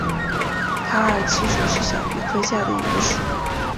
桃儿七属是小檗科下的一个属。